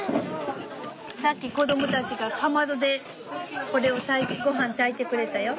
さっき子どもたちがかまどでこれをごはん炊いてくれたよ。